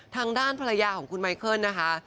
ทางด้านภรรยาของคุณไมเคิลนะคะ